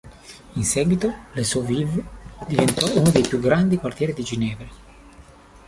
In seguito Les Eaux-Vives diventò uno dei più grandi quartieri di Ginevra.